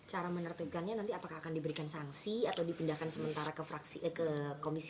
cara menertibkannya nanti apakah akan diberikan sanksi atau dipindahkan sementara ke komisi